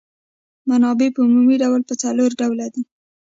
منابع په عمومي ډول په څلور ډوله دي.